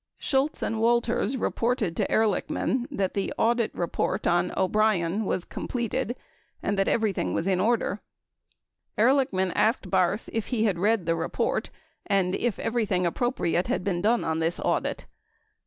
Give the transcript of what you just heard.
Shultz and Walters reported to Ehr lichman that the audit report on O'Brien was completed and that everything was in order. Ehrlichman asked Barth if he had read the report and that if everything appropriate had been done on this audit.